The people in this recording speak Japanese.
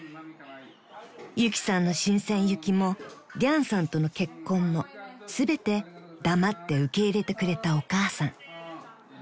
［ゆきさんの深行きもリャンさんとの結婚も全て黙って受け入れてくれたお母さん］